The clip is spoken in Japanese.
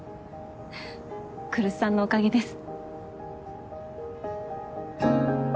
ははっ来栖さんのおかげです。